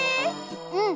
うん！